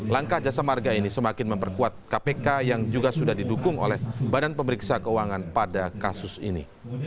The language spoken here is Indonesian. langkah jasa marga ini semakin memperkuat kpk yang juga sudah didukung oleh badan pemeriksa keuangan pada kasus ini